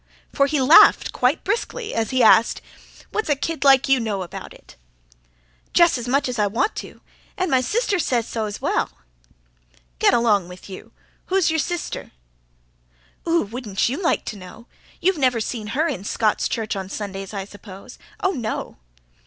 For he laughed quite briskly as he asked; "What's a kid like you know about it?" "Jus' as much as I want to. An' my sister says so 's well." "Get along with you! Who's your sister?" "Ooh! wouldn't you like to know? You've never seen her in Scots' Church on Sundays I s'pose oh, no!"